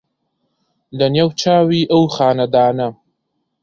لە نێو چاوی ئەو خانەدانە